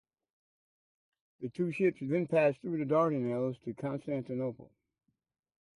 The two ships then passed through the Dardanelles to Constantinople.